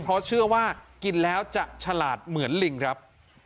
เพราะเชื่อว่ากินแล้วจะฉลาดเหมือนลิงครับ